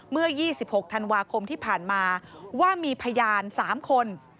เมื่อ๒๖ธันวาคมที่ผ่านมาว่ามีพยาน๓คน